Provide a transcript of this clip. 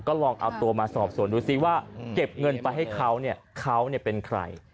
ก็ลองเอาตัวมาสอบสวนดูซิว่าเก็บเงินไปให้เขาเนี่ยเขาเป็นใคร